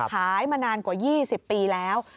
ขายมานานกว่า๒๐ปีแล้ว